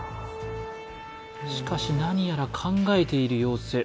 しかし何やら考えている様子